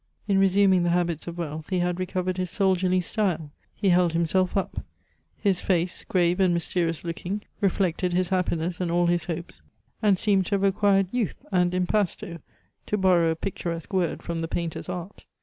In resuming the habits of wealth he had recovered his soldierly style. He held himself up; his face, grave and mysterious looking, reflected his happiness and all his hopes, and seemed to have acquired youth and impasto, to borrow a picturesque word from the painter's art.